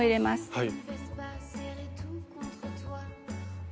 はい。